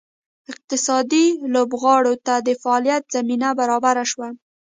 اقتصادي لوبغاړو ته د فعالیت زمینه برابره شوه.